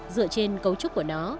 dựa trên cấu trúc của nó